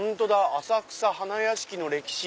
「浅草花やしきの歴史」。